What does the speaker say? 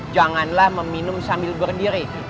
janganlah meminum sambil berdiri